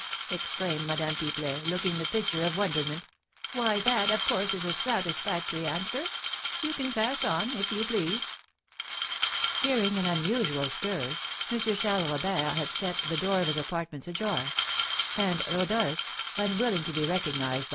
exclaimed Madame Pipelet, looking the picture of wonderment, "why, that, of course, is a satisfactory answer. You can pass on, if you please." Hearing an unusual stir, M. Charles Robert had set the door of his apartments ajar, and Rodolph, unwilling to be recognised by M.